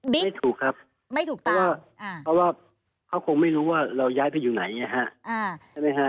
ไม่ถูกครับเพราะว่าเขาคงไม่รู้ว่าเราย้ายไปอยู่ไหนนะฮะ